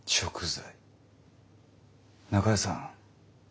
中江さん